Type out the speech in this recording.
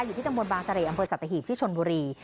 อยู่ที่ตำบวนบาลสะเลอำเภอสัตว์ตะหิตที่ชนบุรี